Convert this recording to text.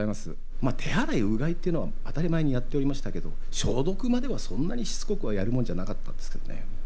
まあ手洗いうがいっていうのは当たり前にやっておりましたけど消毒まではそんなにしつこくはやるもんじゃなかったんですけどね。